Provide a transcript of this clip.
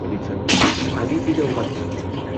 Zerbitzu enpresak ari dira ugaltzen